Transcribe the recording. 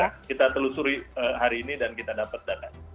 kita telusuri hari ini dan kita dapat data